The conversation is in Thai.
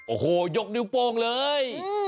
โอ้โหยกนิ้วโป้งเลย